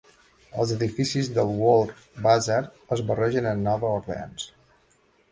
Els edificis del World Bazaar es barregen amb Nova Orleans.